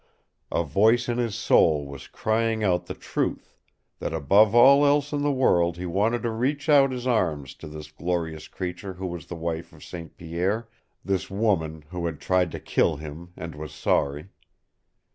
A voice in his soul was crying out the truth that above all else in the world he wanted to reach out his arms to this glorious creature who was the wife of St. Pierre, this woman who had tried to kill him and was sorry.